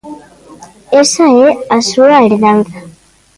Esa é a súa herdanza.